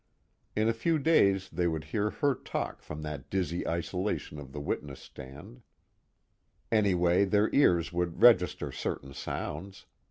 In a few days they would hear her talk from that dizzy isolation of the witness stand; anyway their ears would register certain sounds.